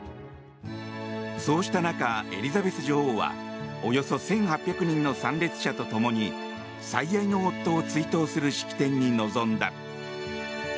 そうした中、エリザベス女王はおよそ１８００人の参列者と共に最愛の夫を追悼する式典に臨んだ。